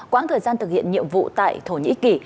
quãng thời gian thực hiện nhiệm vụ tại thổ nhĩ kỳ